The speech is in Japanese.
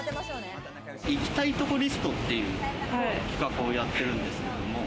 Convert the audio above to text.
行きたいとこリストっていう企画をやってるんですけども。